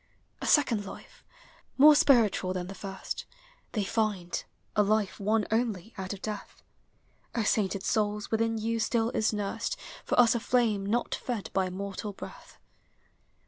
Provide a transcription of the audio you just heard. A second life, more spiritual than the first, They find, — a life won only out of death. O sainted souls, within you still is nursed For us a (lame not fed by mortal breath.